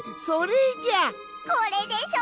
これでしょ！？